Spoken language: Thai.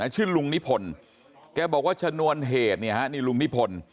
ชื่อลุงนิพนธ์แกบอกว่าชนวนเหตุเนี่ยฮะนี่ลุงนิพนธ์